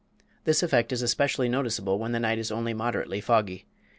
This effect is especially noticeable when the night is only moderately foggy.